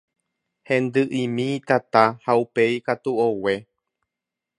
Hendy'imi tata ha upéi katu ogue.